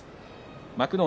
幕内